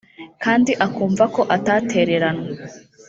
kandi akumva ko atatereranwe